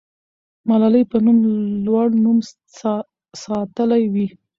ملالۍ به خپل لوړ نوم ساتلی وي.